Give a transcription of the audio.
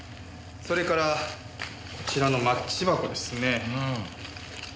それからこちらのマッチ箱ですね。